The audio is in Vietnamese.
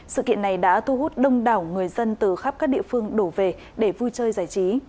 sự kiện này đã thu hút đông đảo người dân từ khắp các địa phương đổ về để vui chơi giải trí